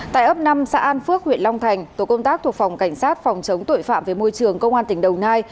tại ấp năm xã an phước huyện long thành tổ công tác thuộc phòng cảnh sát phòng chống tội phạm về môi trường công an tỉnh đồng nai